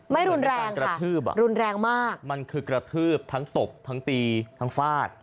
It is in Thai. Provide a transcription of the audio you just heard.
ไม่รุนแรงกระทืบอ่ะรุนแรงมากมันคือกระทืบทั้งตบทั้งตีทั้งฟาด